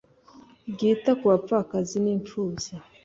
ryita ku bapfakazi n imfubyi